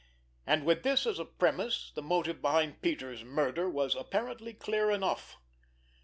And with this as a premise the motive behind Peters' murder was apparently clear enough.